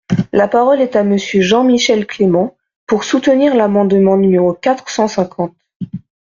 La parole est à Monsieur Jean-Michel Clément, pour soutenir l’amendement numéro quatre cent cinquante.